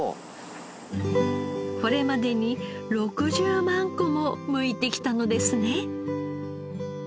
これまでに６０万個もむいてきたのですね。